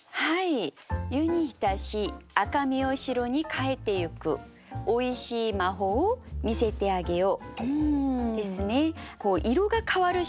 「湯に浸し赤身を白に変えてゆく美味しい湯気を見せてあげよう」！